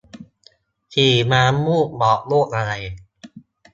สีน้ำมูกบอกโรคอะไร